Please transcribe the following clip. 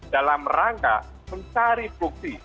dalam rangka mencari bukti